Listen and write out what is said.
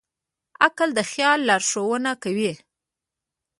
عقل د خیال لارښوونه کوي.